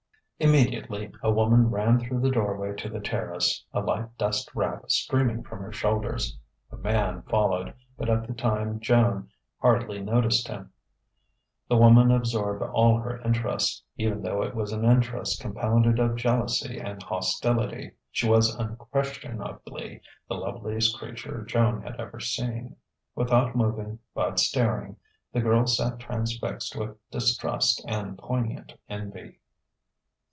Immediately a woman ran through the doorway to the terrace, a light dust wrap streaming from her shoulders. A man followed, but at the time Joan hardly noticed him. The woman absorbed all her interest, even though it was an interest compounded of jealousy and hostility. She was unquestionably the loveliest creature Joan had ever seen. Without moving, but staring, the girl sat transfixed with distrust and poignant envy.